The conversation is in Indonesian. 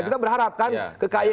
kita berharapkan ke kay